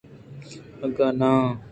اگاں ناں